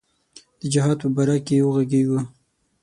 د جهاد په باره کې وږغیږو.